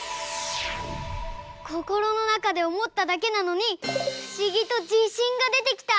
こころのなかでおもっただけなのにふしぎとじしんがでてきた！